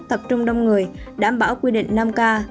tập trung đông người đảm bảo quy định năm k